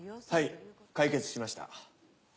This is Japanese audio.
はい解決しました。